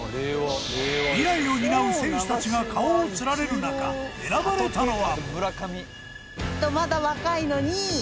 未来を担う選手たちが顔を連ねる中選ばれたのは。